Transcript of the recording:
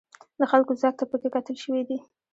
د خلکو ځواک ته پکې کتل شوي دي.